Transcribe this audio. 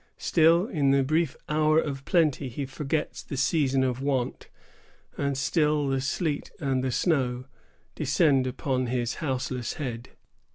Still, in the brief hour of plenty he forgets the season of want; and still the sleet and the snow descend upon his houseless head.